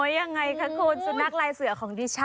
ยังไงคะคุณสุนัขลายเสือของดิฉัน